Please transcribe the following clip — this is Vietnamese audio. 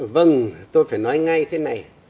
vâng tôi phải nói ngay thế này